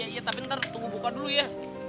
iya tapi ntar tunggu buka dulu ya